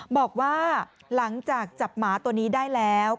บอกว่าหลังจากจับหมาตัวนี้ได้แล้ว